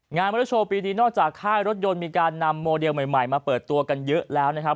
มอเตอร์โชว์ปีนี้นอกจากค่ายรถยนต์มีการนำโมเดลใหม่มาเปิดตัวกันเยอะแล้วนะครับ